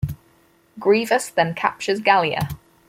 Grievous then captures Gallia.